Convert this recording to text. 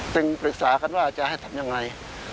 จึงปรึกษากันว่าจะให้ทำอย่างไร